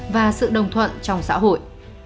và sự đồng thuận trong xã hội